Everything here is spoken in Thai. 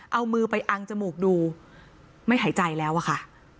เอามือไปอังจมูกดูไม่หายใจแล้วอะค่ะ